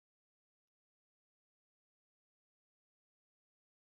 نور هېوادونه د پراخ بنسټه سیاسي بنسټونو په لور سوق کول.